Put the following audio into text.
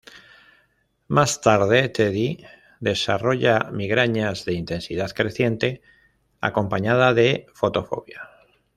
Más tarde, Teddy desarrolla migrañas de intensidad creciente acompañada de fotofobia.